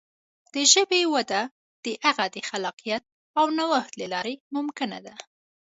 د ژبې وده د هغې د خلاقیت او نوښت له لارې ممکنه ده.